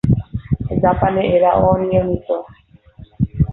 জাপানে এরা অনিয়মিত।